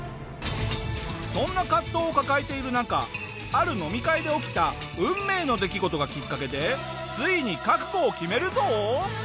そんな葛藤を抱えている中ある飲み会で起きた運命の出来事がきっかけでついに覚悟を決めるぞ！